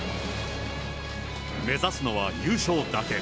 目指すのは優勝だけ。